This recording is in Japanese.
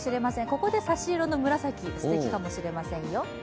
ここで差し色の紫、すてきかもしれませんよ。